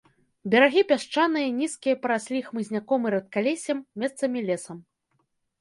Берагі пясчаныя, нізкія, параслі хмызняком і рэдкалессем, месцамі лесам.